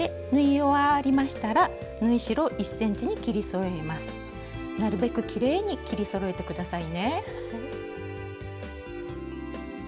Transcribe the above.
縫い終わりましたらなるべくきれいに切りそろえて下さいね。